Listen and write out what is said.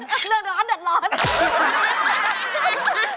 เรื่องร้อนเดิดร้อน